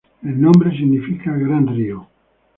El nombre significa 'gran río'.